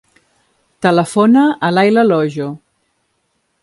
Telefona a l'Ayla Lojo.